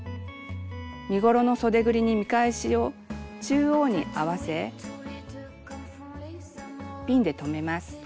身ごろのそでぐりに見返しを中央に合わせピンで留めます。